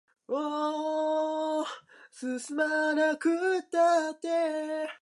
つまらない、癈せばいゝのにと思つた。